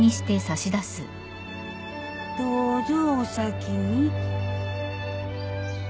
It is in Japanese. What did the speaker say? どうぞお先に。